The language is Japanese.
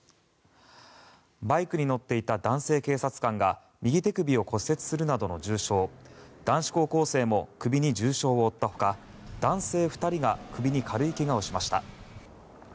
バイクに乗っていた男性警察官が右手首を骨折するなどの重傷男子高校生も首に重傷を負ったほか男性２人が首に軽い怪我をしました。